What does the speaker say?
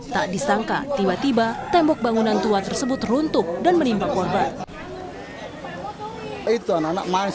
tak disangka tiba tiba tembok bangunan tua tersebut runtuh dan menimpa korban